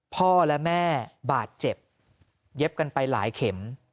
พ่อและแม่บาดเจ็บเย็บกันไปหลายเข็ม